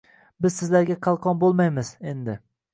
Biz sizlarga qalqon bo’lmaymiz endi